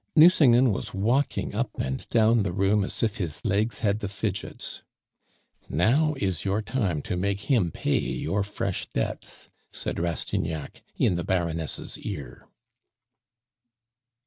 Nucingen was walking up and down the room as if his legs had the fidgets. "Now is your time to make him pay your fresh debts," said Rastignac in the Baroness' ear.